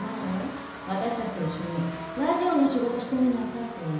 私たちと一緒にラジオの仕事してみないかって意味。